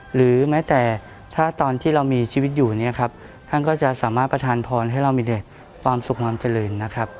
หรือแม้แต่ถ้าตอนที่เรามีชีวิตอยู่ท่านก็จะสามารถประทานพรให้เรามีได็คมสุขความเจริญ